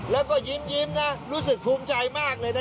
แล้วก็ยิ้มนะรู้สึกภูมิใจมากเลยนะ